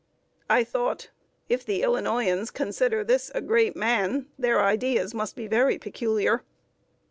I thought, "If the Illinoisans consider this a great man, their ideas must be very peculiar."